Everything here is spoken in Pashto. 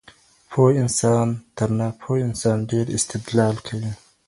پوه انسان تر ناپوهه انسان ډېر استدلال کوي.